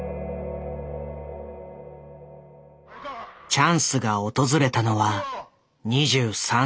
チャンスが訪れたのは２３歳。